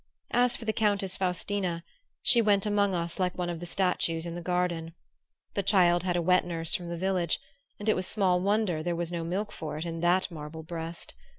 As for the Countess Faustina, she went among us like one of the statues in the garden. The child had a wet nurse from the village, and it was small wonder there was no milk for it in that marble breast.